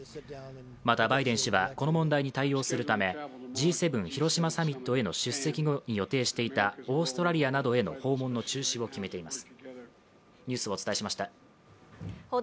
また、バイデン氏はこの問題に対応するためＧ７広島サミットへの出席後に予定していたオーストラリアなどへの訪問の中止を決めています。